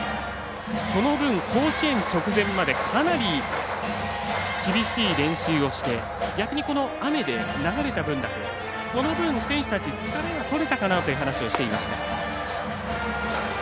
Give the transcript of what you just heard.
その分、甲子園直前までかなり厳しい練習をして逆に、この雨で流れた分だけその分、選手たち疲れがとれたかなと話をしていました。